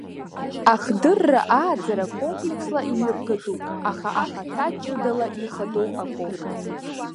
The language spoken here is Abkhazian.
Ахдырра ааӡара комплексла имҩаԥгатәуп, аха ахаҭа ҷыдала ихадоу акоуп.